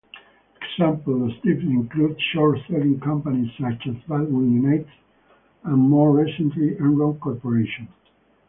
Examples of this include short-selling companies such as Baldwin-United, and more recently Enron Corporation.